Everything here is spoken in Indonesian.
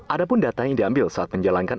adapun data yang diambil saat menjalankan